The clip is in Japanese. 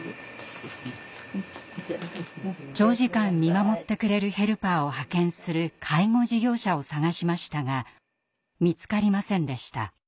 長時間見守ってくれるヘルパーを派遣する介護事業者を探しましたが見つかりませんでした。